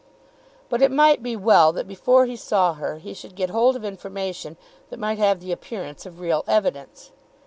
But it might be well that before he saw her he should get hold of information that might have the appearance of real evidence.